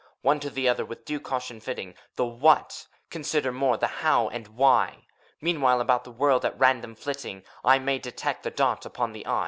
One to the other with due caution fitting. The What consider, more the How and Why I Meanwhile, about the world at random flitting, I mmj detect the dot upon the "I."